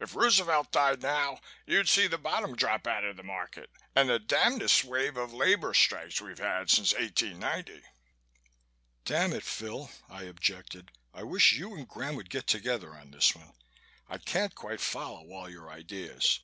If Roosevelt died now, you'd see the bottom drop out of the market and the damndest wave of labor strikes we've had since 1890." "Damn it, Phil," I objected. "I wish you and Graham would get together on this one. I can't quite follow all your ideas.